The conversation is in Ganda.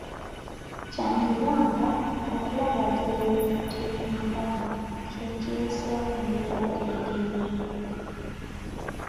Kyandiba nga okulagajjalira ebintu ebiringa bino kye kireeseewo embeera ey'engeri eyo?